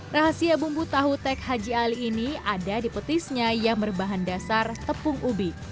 rahasia bumbu tahu tek haji ali ini ada di petisnya yang berbahan dasar tepung ubi